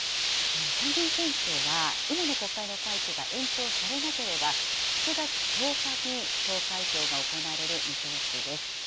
参議院選挙は今の国会の会期が延長されなければ、７月１０日に投開票が行われる見通しです。